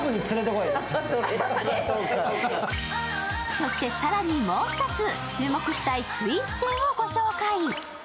そして更にもう一つ、注目したいスイーツ店をご紹介。